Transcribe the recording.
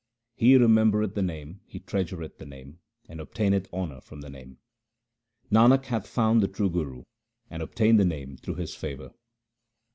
He remembereth the Name, he treasureth the Name, and obtaineth honour from the Name. Nanak hath found the true Guru and obtained the Name through his favour.